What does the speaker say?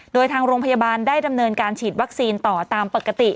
โดยทางโรงพยาบาลได้ดำเนินการฉีดวัคซีนต่อตามปกติ